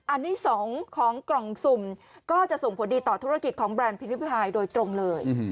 อันนี้๒ของกล่องสุ่มก็จะส่งผลดีต่อธุรกิจของแบรนด์พิริพายโดยตรงเลย